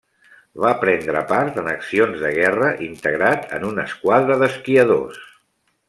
Va prendre part en accions de guerra, integrat en una esquadra d'esquiadors.